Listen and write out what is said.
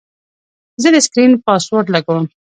زه د سکرین پاسورډ لګوم.